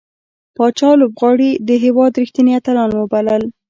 پاچا لوبغاړي د هيواد رښتينې اتلان وبلل .